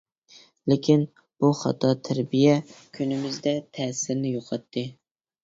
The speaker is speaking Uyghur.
لېكىن، بۇ خاتا تەربىيە كۈنىمىزدە تەسىرىنى يوقاتتى.